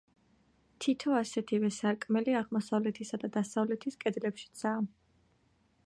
თითო ასეთივე სარკმელი აღმოსავლეთისა და დასავლეთის კედლებშიცაა.